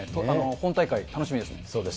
本大会、楽しみです。